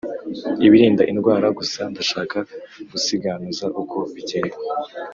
ibirinda indwara. gusa ndashaka gusiganuza uko bigenda.